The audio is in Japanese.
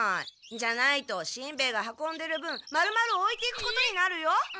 じゃないとしんべヱが運んでる分まるまるおいていくことになるよ。